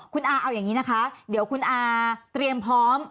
คุณอาเอาอย่างนี้นะคะเดี๋ยวคุณอาเตรียมพร้อม